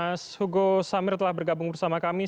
dan juga bisa segera menunjukkan bagaimana kekuatan garuda muda